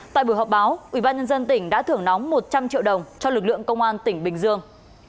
tại buổi họp báo ubnd tỉnh đã thưởng nóng một trăm linh triệu đồng cho lực lượng công an tỉnh bình dương